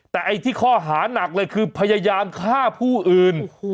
แต่ไอ้ที่ข้อหานักเลยคือพยายามฆ่าผู้อื่น